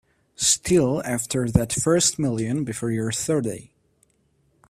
Still after that first million before you're thirty.